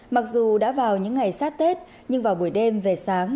mặc dù đã vào những ngày sát tết nhưng vào buổi đêm về sáng